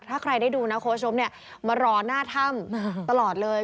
ถ้าใครได้ดูนะคุณผู้ชมมารอหน้าถ้ำตลอดเลย